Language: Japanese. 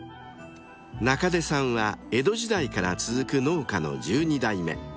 ［中出さんは江戸時代から続く農家の１２代目］